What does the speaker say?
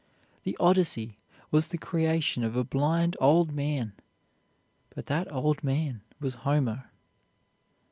The "Odyssey" was the creation of a blind old man, but that old man was Homer.